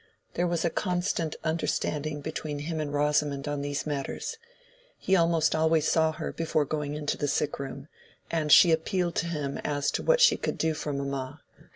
There was a constant understanding between him and Rosamond on these matters. He almost always saw her before going to the sickroom, and she appealed to him as to what she could do for mamma.